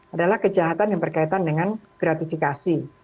adalah kejahatan yang berkaitan dengan gratifikasi